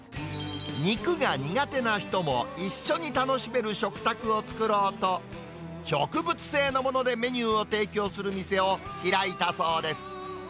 肉が苦手な人も、一緒に楽しめる食卓を作ろうと、植物性のものでメニューを提供する店を開いたそうです。